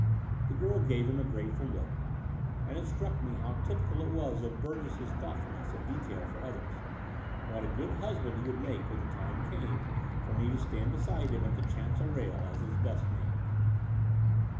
The girl gave him a grateful look; and it struck me how t3rpical it was of Burgess's thoughtfulness of detail for others, and what a good husband he would make when the time came for me to stand beside him at the chancel rail as his best man.